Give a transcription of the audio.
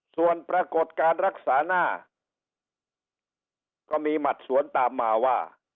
ส่วนปรากฏการรักษาหน้าก็มีหมัดสวนตามมาว่า